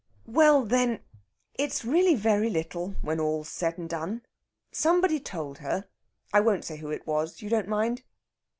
"Well, then, it's really very little when all's said and done. Somebody told her I won't say who it was you don't mind?"